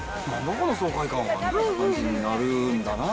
この爽快感はみたいな感じになるんだな。